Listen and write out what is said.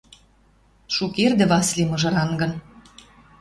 Шукердӹ Васли мыжырангын.